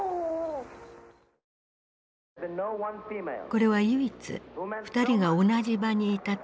これは唯一二人が同じ場にいた時の映像。